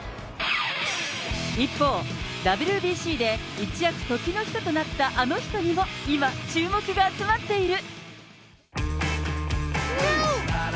一方、ＷＢＣで一躍、時の人となったあの人にも今、注目が集まっている。